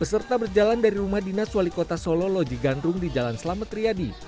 peserta berjalan dari rumah dinas wali kota solo loji gandrung di jalan selamat riyadi